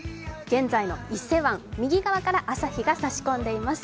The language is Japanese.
現在の伊勢湾、右側から朝日が差し込んでいます。